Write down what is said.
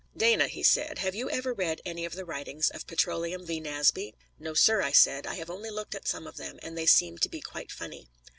"Dana," said he, "have you ever read any of the writings of Petroleum V. Nasby?" "No, sir," I said; "I have only looked at some of them, and they seemed to be quite funny."